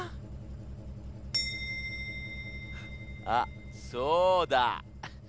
あっそうだ。